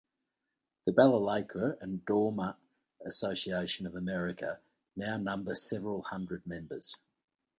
The Balalaika and Domra Association of America now numbers several hundred members.